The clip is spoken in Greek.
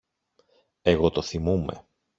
Εγώ το θυμούμαι!